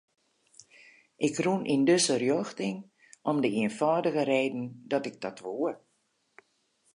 Ik rûn yn dizze rjochting om de ienfâldige reden dat ik dat woe.